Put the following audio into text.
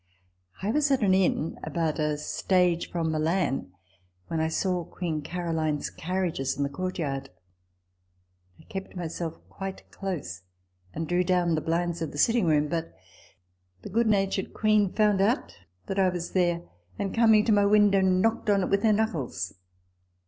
I was at an inn about a stage from Milan, when I saw Queen Caro line's carriages in the courtyard. I kept myself quite close, and drew down the blinds of the sitting room : but the good natured Queen found out that I was there, and, coming to my window, knocked on it with her knuckles.